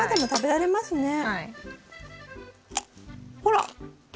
ほら！